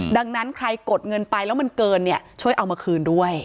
ดังนั้นใครกดเงินไปแล้วมันเกินเนี่ยช่วยเอามาคืนด้วย